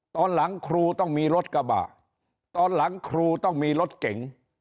ตอนหลังครูต้องมีรถกระบะตอนหลังครูต้องมีรถเก๋ง